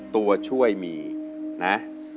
ตัวช่วยมีนะ